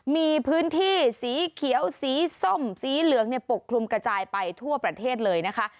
มีพื้นที่สีเขียวสีส้มสีเหลืองปกคลุมกระจายไปทั่วประเทศเลยนะคะ